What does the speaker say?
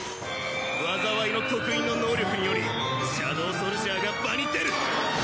災いの刻印の能力によりシャドウソルジャーが場に出る！